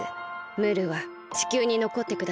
ムールはちきゅうにのこってください。